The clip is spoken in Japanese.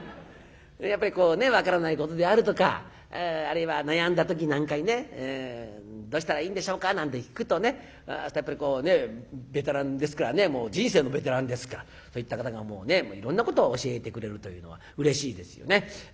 やっぱりこうね分からないことであるとかあるいは悩んだ時なんかに「どうしたらいいんでしょうか」なんて聞くとベテランですからもう人生のベテランですからそういった方がいろんなことを教えてくれるというのはうれしいですよね。